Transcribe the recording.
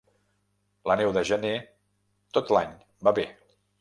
La neu de gener tot l'any va bé.